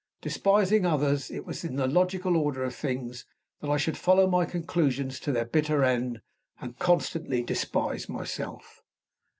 Despising others, it was in the logical order of things that I should follow my conclusions to their bitter end, and consistently despise myself.